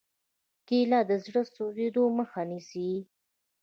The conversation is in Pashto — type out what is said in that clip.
کېله د زړه د سوځېدو مخه نیسي.